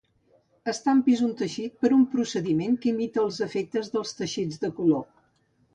Estampis un teixit per un procediment que imita els efectes dels teixits de color.